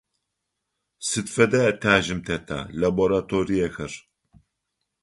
Сыд фэдэ этажым тета лабораториехэр?